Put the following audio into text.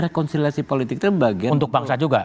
rekonsiliasi politik itu bagian untuk bangsa juga